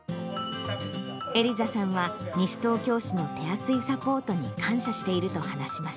エリザさんは西東京市の手厚いサポートに感謝していると話します。